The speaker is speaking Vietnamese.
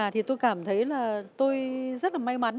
thì tôi cảm thấy là tôi rất là may mắn